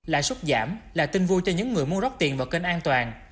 lãi suất giảm là tin vui cho những người muốn rót tiền vào kênh an toàn